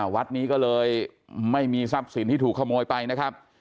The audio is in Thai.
วัดนี้ก็เลยไม่มีทรัพย์สินที่ถูกขโมยไปนะครับ